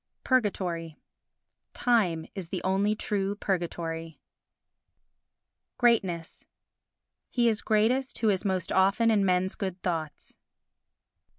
Purgatory Time is the only true purgatory. Greatness He is greatest who is most often in men's good thoughts.